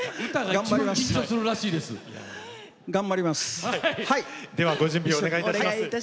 頑張ります。